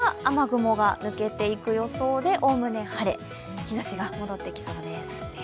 そのあとは雨雲が抜けていく予想で、おおむね晴れ日ざしが戻ってきそうです。